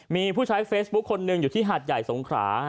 มีผู้ใช้เฟซบุ๊คคนหนึ่งอยู่ที่หาดใหญ่สงขรา